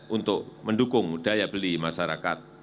untuk mendukung daya beli masyarakat